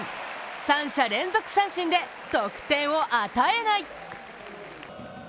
三者連続三振で得点を与えない。